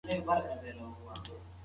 هغه د جګړې پر ځای سولې ته لارښوونه کوله.